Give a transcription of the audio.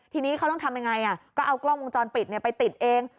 ทีนี้เขาต้องทำยังไงก็เอากล้องวงจรปิดไปติดเอง